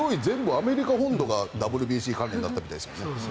アメリカ本土がＷＢＣ関連だったみたいです。